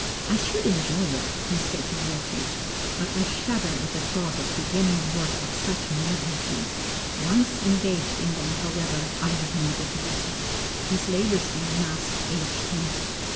"I should enjoy it," he said to Rochlitz, "but I shudder at the thought of beginning works of such magnitude. Once engaged on them, however, I have no difficulty." His labors on the Mass aged him.